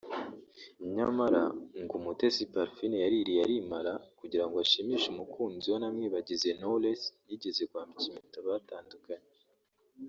nyamara ngo Umutesi Parfine yaririye arimara kugira ngo ashimishe umukunzi we anamwibagize Knowless yigeze kwambika impeta batandukanye